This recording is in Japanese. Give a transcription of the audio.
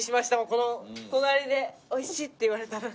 この隣で「おいしい！」って言われたら。